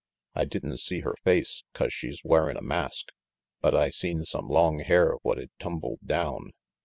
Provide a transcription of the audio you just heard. I didn't see her face, 'cause she's wearin' a mask, but I seen some long hair what'd tumbled down.